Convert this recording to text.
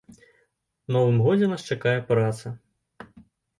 Новым годзе нас чакае праца.